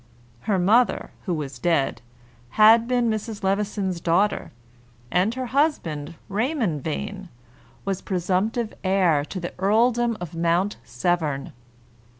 Her mother, who was dead, had been Mrs. Levison's daughter, and her husband, Raymond Vane, was presumptive heir to the earldom of Mount Severn.